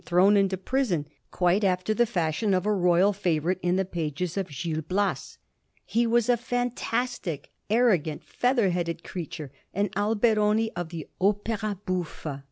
im thrown into prison, quite after the fashion of a royal favourite in the pages of ^ Gil Bias.' He was a fiwi tastic, arrogant, feather headed creature, an Alberoni of the opera bouflfe.